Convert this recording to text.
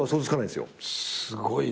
すごいな。